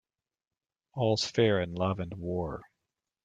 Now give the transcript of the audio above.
All's fair in love and war.